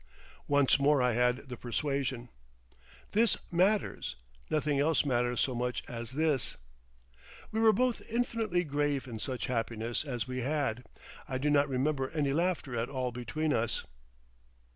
Once more I had the persuasion "This matters. Nothing else matters so much as this." We were both infinitely grave in such happiness as we had. I do not remember any laughter at all between us.